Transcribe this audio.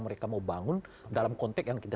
mereka mau bangun dalam konteks yang kita